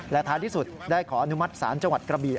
และท้ายที่สุดได้ขออนุมัติศาลจังหวัดกระบี